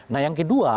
nah yang kedua